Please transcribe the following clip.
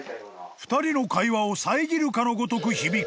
［２人の会話をさえぎるかのごとく響く］